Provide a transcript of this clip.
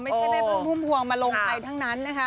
ไม่ใช่แม่ผู้มหวงมาลงใครทั้งนั้นนะคะ